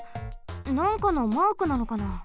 なんかのマークなのかな？